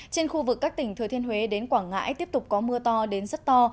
trên khu vực các tỉnh thừa thiên huế đến quảng ngãi tiếp tục có mưa to đến rất to